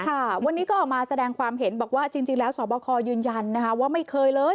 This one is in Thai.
ค่ะวันนี้ก็ออกมาแสดงความเห็นบอกว่าจริงแล้วสอบคอยืนยันนะคะว่าไม่เคยเลย